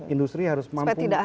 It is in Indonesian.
industri harus mampu memproduksi